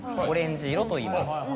オレンジ色といいます。